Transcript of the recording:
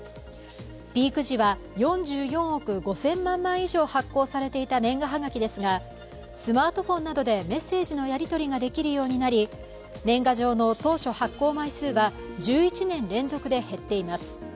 ピーク時は４４億５０００万枚以上発行されていた年賀はがきですがスマートフォンなどでメッセージのやりとりができるようになり年賀状の当初発行枚数は１１年連続で減っています。